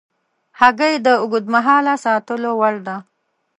هګۍ د اوږد مهاله ساتلو وړ ده.